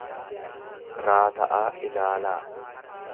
raata'aa ilaalaa.